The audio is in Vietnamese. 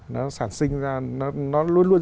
nó sản sinh ra nó luôn luôn